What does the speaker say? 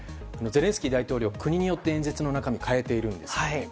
ゼレンスキー大統領国によって演説の中身を変えているんです。